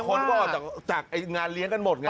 คนก็ออกจากงานเลี้ยงกันหมดไง